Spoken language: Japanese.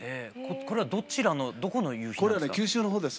これはどちらのどこの夕日なんですか？